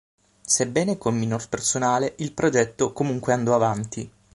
Sebbene con minor personale il progetto comunque andò avanti.